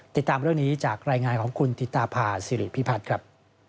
ติดตามเรื่องนี้จากรายงานของคุณติตาพาสิริพิพัฒน์ครับ